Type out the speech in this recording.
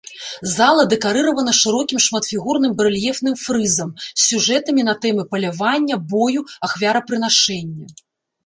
Зала дэкарыравана шырокім шматфігурным барэльефным фрызам з сюжэтамі на тэмы палявання, бою, ахвярапрынашэння.